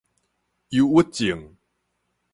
憂鬱症